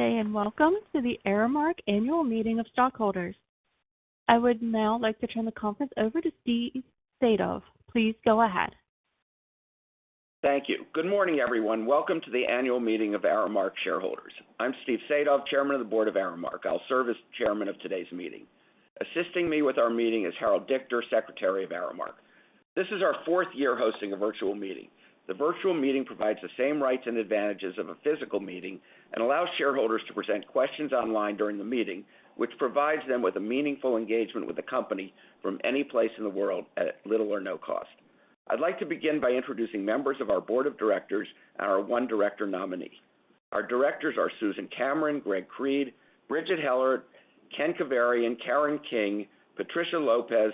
Good day, and welcome to the Aramark Annual Meeting of Stockholders. I would now like to turn the conference over to Stephen Sadove. Please go ahead. Thank you. Good morning, everyone. Welcome to the annual meeting of Aramark shareholders. I'm Stephen Sadove, Chairman of the Board of Aramark. I'll serve as chairman of today's meeting. Assisting me with our meeting is Harold Dichter, Secretary of Aramark. This is our fourth year hosting a virtual meeting. The virtual meeting provides the same rights and advantages of a physical meeting and allows shareholders to present questions online during the meeting, which provides them with a meaningful engagement with the company from any place in the world at little or no cost. I'd like to begin by introducing members of our board of directors and our one director nominee. Our directors are Susan Cameron, Greg Creed, Bridgette Heller, Kenneth Keverian, Karen King, Patricia Lopez,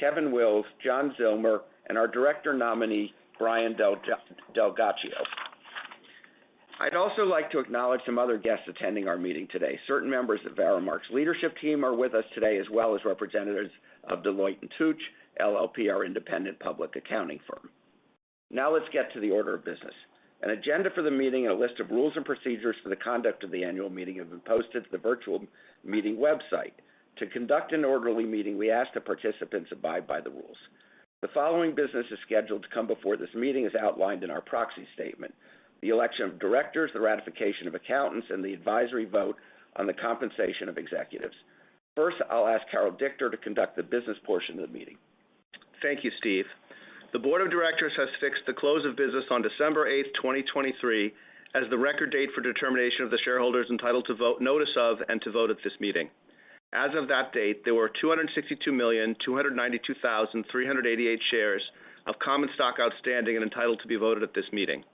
Kevin Wills, John Zillmer, and our director nominee, Brian DelGhiaccio. I'd also like to acknowledge some other guests attending our meeting today. Certain members of Aramark's leadership team are with us today, as well as representatives of Deloitte & Touche LLP, our independent public accounting firm. Now let's get to the order of business. An agenda for the meeting and a list of rules and procedures for the conduct of the annual meeting have been posted to the virtual meeting website. To conduct an orderly meeting, we ask that participants abide by the rules. The following business is scheduled to come before this meeting as outlined in our proxy statement: the election of directors, the ratification of accountants, and the advisory vote on the compensation of executives. First, I'll ask Harold Dichter to conduct the business portion of the meeting. Thank you, Steve. The board of directors has fixed the close of business on December 8th, 2023, as the Record Date for determination of the shareholders entitled to vote notice of, and to vote at this meeting. As of that date, there were 262,292,388 shares of common stock outstanding and entitled to be voted at this meeting.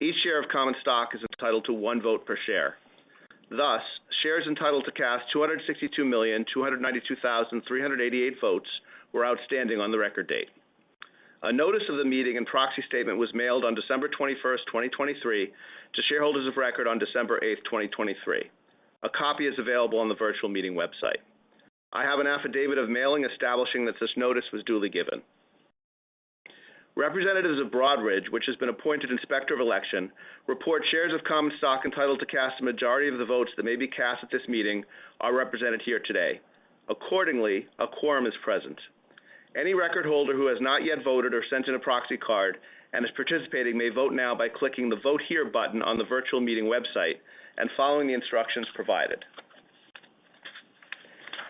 Each share of common stock is entitled to one vote per share. Thus, shares entitled to cast 262,292,388 votes were outstanding on the Record Date. A notice of the meeting and Proxy Statement was mailed on December 21st, 2023, to shareholders of record on December 8th, 2023. A copy is available on the virtual meeting website. I have an affidavit of mailing establishing that this notice was duly given. Representatives of Broadridge, which has been appointed Inspector of Election, report shares of common stock entitled to cast a majority of the votes that may be cast at this meeting are represented here today. Accordingly, a quorum is present. Any record holder who has not yet voted or sent in a proxy card and is participating may vote now by clicking the Vote Here button on the virtual meeting website and following the instructions provided.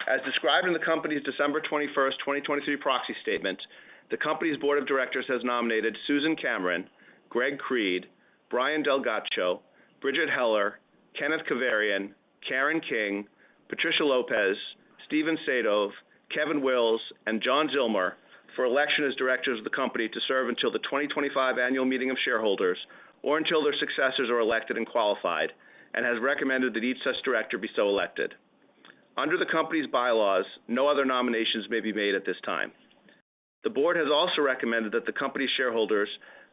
As described in the company's December 21st, 2023 proxy statement, the company's board of directors has nominated Susan Cameron, Greg Creed, Brian DelGhiaccio, Bridgette Heller, Kenneth Keverian, Karen King, Patricia Lopez, Stephen Sadove, Kevin Wills, and John Zillmer for election as directors of the company to serve until the 2025 annual meeting of shareholders or until their successors are elected and qualified, and has recommended that each such director be so elected. Under the company's bylaws, no other nominations may be made at this time. The board has also recommended that the company's shareholders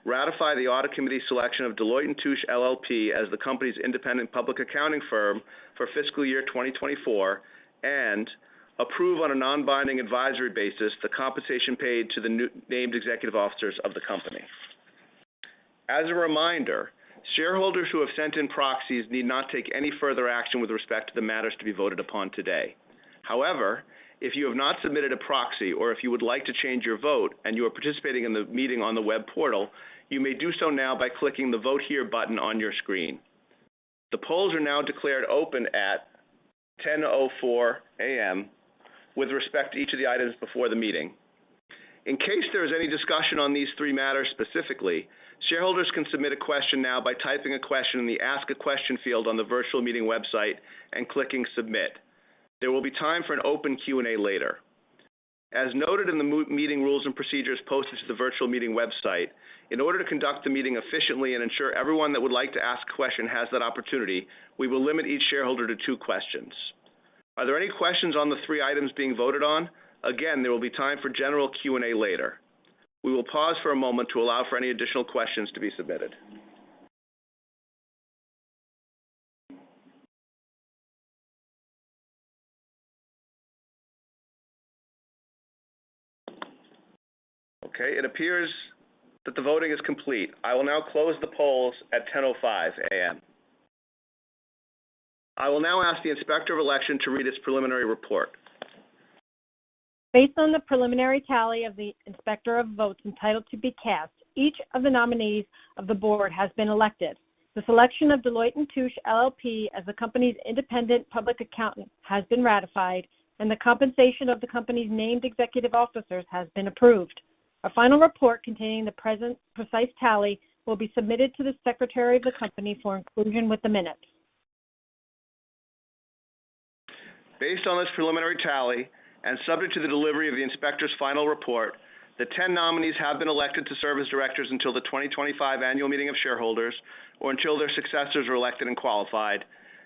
ratify the Audit Committee's selection of Deloitte & Touche LLP as the company's independent public accounting firm for fiscal year 2024, and approve on a non-binding advisory basis the compensation paid to the named executive officers of the company. As a reminder, shareholders who have sent in proxies need not take any further action with respect to the matters to be voted upon today. However, if you have not submitted a proxy or if you would like to change your vote and you are participating in the meeting on the web portal, you may do so now by clicking the Vote Here button on your screen. The polls are now declared open at 10:04 A.M. with respect to each of the items before the meeting. In case there is any discussion on these three matters specifically, shareholders can submit a question now by typing a question in the Ask a Question field on the virtual meeting website and clicking Submit. There will be time for an open Q&A later. As noted in the meeting rules and procedures posted to the virtual meeting website, in order to conduct the meeting efficiently and ensure everyone that would like to ask a question has that opportunity, we will limit each shareholder to two questions. Are there any questions on the three items being voted on? Again, there will be time for general Q&A later. We will pause for a moment to allow for any additional questions to be submitted. Okay, it appears that the voting is complete. I will now close the polls at 10:05 A.M. I will now ask the Inspector of Election to read its preliminary report. Based on the preliminary tally of the inspector of votes entitled to be cast, each of the nominees of the board has been elected. The selection of Deloitte & Touche LLP as the company's independent public accountant has been ratified, and the compensation of the company's named executive officers has been approved. A final report containing the precise tally will be submitted to the Secretary of the company for inclusion with the minutes. Based on this preliminary tally and subject to the delivery of the inspector's final report, the 10 nominees have been elected to serve as directors until the 2025 annual meeting of shareholders or until their successors are elected and qualified.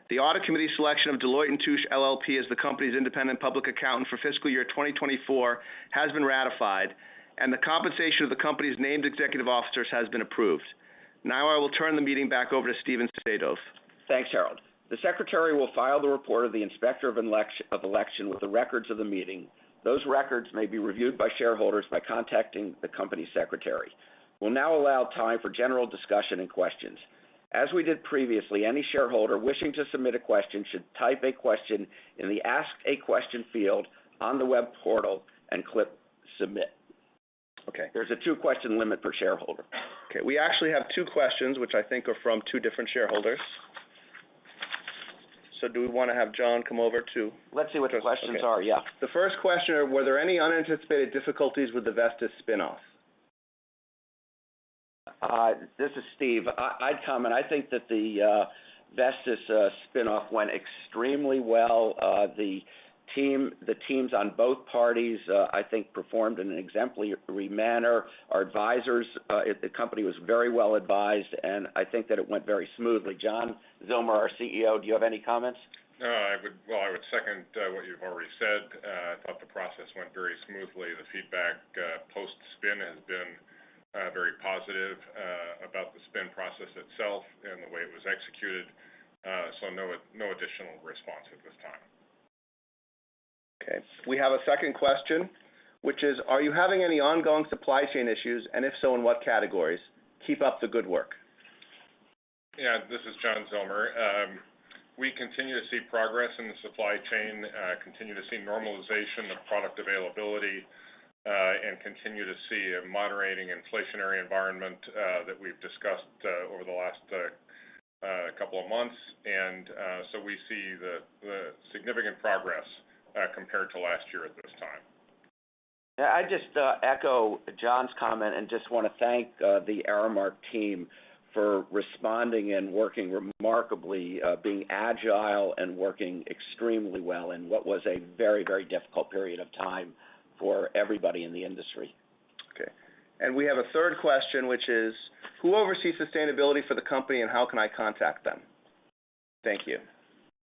The audit committee selection of Deloitte & Touche LLP as the company's independent public accountant for fiscal year 2024 has been ratified, and the compensation of the company's named executive officers has been approved. Now I will turn the meeting back over to Stephen Sadove. Thanks, Harold. The secretary will file the report of the Inspector of Election with the records of the meeting. Those records may be reviewed by shareholders by contacting the company secretary. We'll now allow time for general discussion and questions.... As we did previously, any shareholder wishing to submit a question should type a question in the Ask a Question field on the web portal and click Submit. Okay. There's a two-question limit per shareholder. Okay, we actually have two questions, which I think are from two different shareholders. So do we wanna have John come over to- Let's see what the questions are, yeah. The first question: Were there any unanticipated difficulties with the Vestis spin-off? This is Steve. I'd comment. I think that the Vestis spin-off went extremely well. The teams on both parties performed in an exemplary manner. Our advisors, the company was very well advised, and I think that it went very smoothly. John Zillmer, our CEO, do you have any comments? No, I would... Well, I would second what you've already said. I thought the process went very smoothly. The feedback post-spin has been very positive about the spin process itself and the way it was executed. So no, no additional response at this time. Okay, we have a second question, which is: Are you having any ongoing supply chain issues, and if so, in what categories? Keep up the good work. Yeah, this is John Zillmer. We continue to see progress in the supply chain, continue to see normalization of product availability, and continue to see a moderating inflationary environment that we've discussed over the last couple of months. And so we see the significant progress compared to last year at this time. I just echo John's comment and just wanna thank the Aramark team for responding and working remarkably, being agile and working extremely well in what was a very, very difficult period of time for everybody in the industry. Okay. We have a third question, which is: Who oversees sustainability for the company, and how can I contact them? Thank you.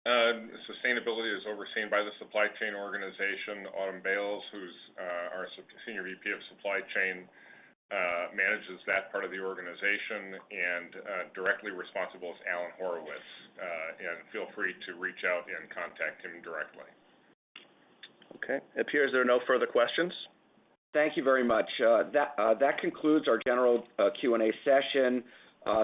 Sustainability is overseen by the supply chain organization. Autumn Bayles, who's our Senior VP of Supply Chain, manages that part of the organization, and directly responsible is Alan Horowitz. Feel free to reach out and contact him directly. Okay. It appears there are no further questions. Thank you very much. That concludes our general Q&A session.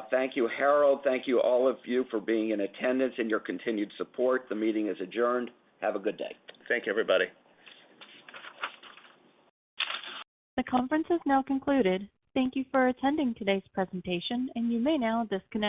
Thank you, Harold. Thank you, all of you, for being in attendance and your continued support. The meeting is adjourned. Have a good day. Thank you, everybody. The conference has now concluded. Thank you for attending today's presentation, and you may now disconnect.